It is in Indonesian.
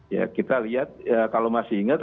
ya kita lihat kalau masih ingat